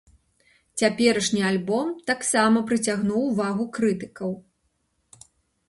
Цяперашні альбом таксама прыцягнуў увагу крытыкаў.